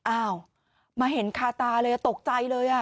อ้าวมาเห็นคาตาเลยตกใจเลย